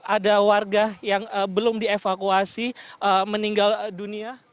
ada warga yang belum dievakuasi meninggal dunia